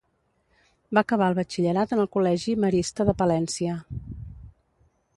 Va acabar el batxillerat en el col·legi Marista de Palència.